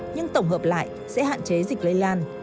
nhưng tổng hợp lại sẽ hạn chế dịch lây lan